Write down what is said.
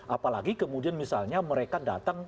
apalagi kemudian misalnya mereka datang